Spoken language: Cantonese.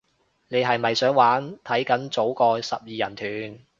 你係咪想玩，嚟緊組個十二人團